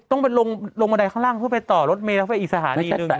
ต้องไปลงบันไดข้างล่างเพื่อไปต่อรถเมย์แล้วไปอีกสถาน